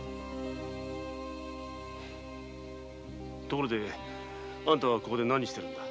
ところであんたはここで何してるのだ？